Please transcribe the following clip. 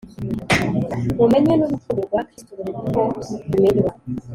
mumenye n'urukundo rwa Kristo ruruta uko rumenywa;